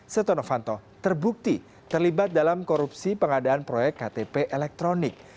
setonofanto terbukti terlibat dalam korupsi pengadaan proyek ktp elektronik